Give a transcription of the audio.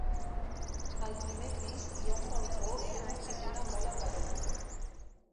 Al primer pis hi ha un balcó i una tribuna molt aparent.